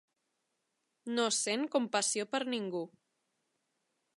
No sent compassió per ningú.